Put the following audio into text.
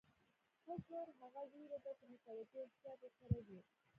حذر هغه وېره ده چې متوجه یې او احتیاط ورسره وي.